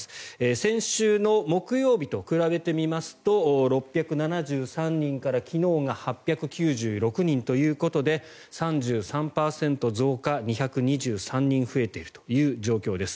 先週の木曜日と比べてみますと６７３人から昨日が８９６人ということで３３％増加、２２３人増えているという状況です。